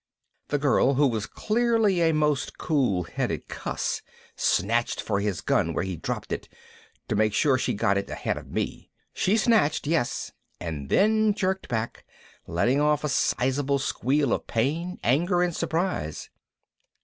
The girl, who was clearly a most cool headed cuss, snatched for his gun where he'd dropped it, to make sure she got it ahead of me. She snatched, yes and then jerked back, letting off a sizable squeal of pain, anger, and surprise.